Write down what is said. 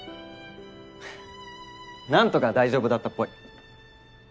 ハハッなんとか大丈夫だったっぽい。